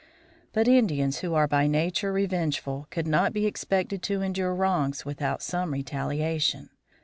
But Indians, who are by nature revengeful, could not be expected to endure wrongs without some retaliation.